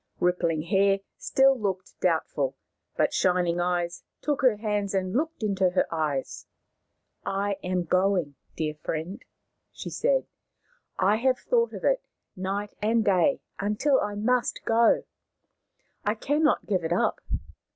Rippling Hair still looked doubtful, but Shining Eyes took her hands and looked into her eyes. " I am going, dear friend," she said. " I have thought of it night and day until I must go. I cannot give it up.